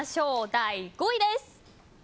第５位です。